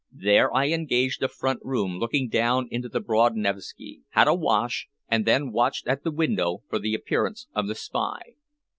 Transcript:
There I engaged a front room looking down into the broad Nevski, had a wash, and then watched at the window for the appearance of the spy.